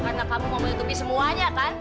karena kamu mau menutupi semuanya kan